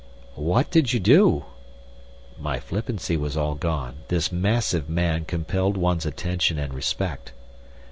"What did you do?" My flippancy was all gone. This massive man compelled one's attention and respect.